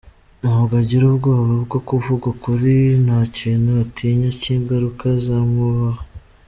Ntabwo agira ubwoba bwo kuvuga ukuri nta kintu atinya cy’ingaruka zamubaho.